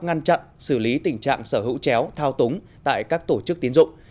ngăn chặn xử lý tình trạng sở hữu chéo thao túng tại các tổ chức tiến dụng